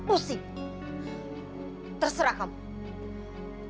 pusing terserah kamu